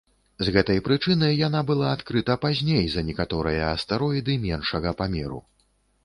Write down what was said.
З гэтай прычыны яна была адкрыта пазней за некаторыя астэроіды меншага памеру.